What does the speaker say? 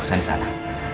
mas al di sana